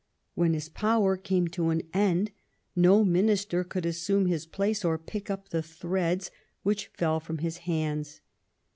When his power came to an end no minister could assume his place or pick up the threads which fell from his nands.